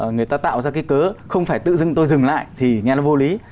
người ta tạo ra cái cớ không phải tự dưng tôi dừng lại thì nghe nó vô lý